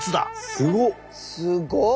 すごっ！